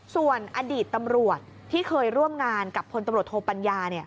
ส่วนอดีตตำรวจที่เคยร่วมงานกับพลตำรวจโทปัญญา